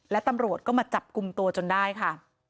และตำรวจก็มาจับกลุ่มตัวจนได้ค่ะ